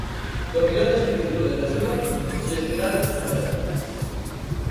Do millón de solicitudes de axuda, xestionaron un terzo.